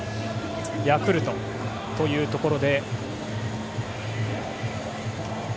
ヤクルトというところで。